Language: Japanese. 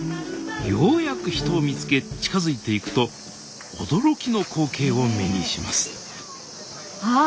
ようやく人を見つけ近づいていくと驚きの光景を目にしますあっ！